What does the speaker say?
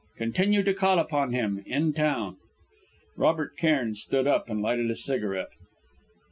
Continue to call upon him, in town." Robert Cairn stood up, and lighted a cigarette.